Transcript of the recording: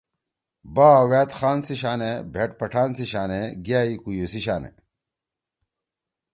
با ویأت خان سی شانے بھیٹ پھٹان سی شانے، گیأئی کُویُو سی شانے؟